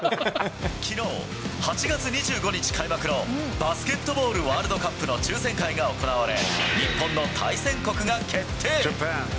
きのう、８月２５日開幕のバスケットボールワールドカップの抽せん会が行われ、日本の対戦国が決定。